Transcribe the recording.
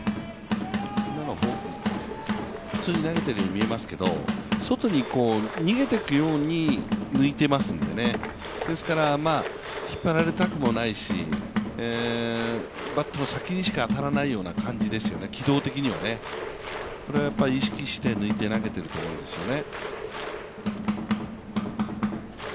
今のフォーク、普通に投げているように見えますけど、外に逃げていくように抜いていますんで、ですから引っ張られたくもないし、バットの先にしか当たらないような感じですよね、軌道的にはね、これはやっぱり意識して抜いて投げていると思うんですね。